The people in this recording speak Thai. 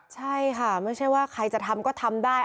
ใช่ค่ะไม่ใช่ว่าใครจะทำก็ทำได้